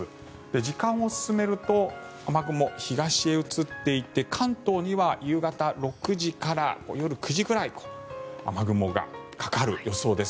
時間を進めると雨雲は東へ移っていって関東には夕方６時から夜９時くらいに雨雲がかかる予想です。